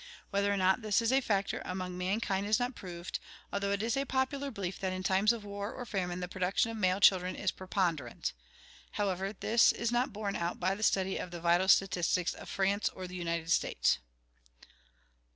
Whether or not this is a factor among man kind is not proved, although it is a popular belief that in times of war or famine the production of male children is preponderant. However, this is not borne out by the study of the vital statistics of France or the United States.